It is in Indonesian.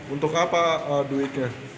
untuk apa duitnya